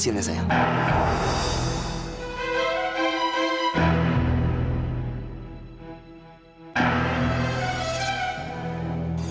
saatnya pernah dilihat